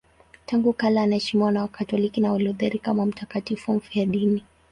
Tangu kale anaheshimiwa na Wakatoliki na Walutheri kama mtakatifu mfiadini.